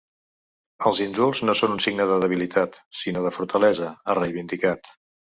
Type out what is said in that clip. “Els indults no són un signe de debilitat sinó de fortalesa”, ha reivindicat.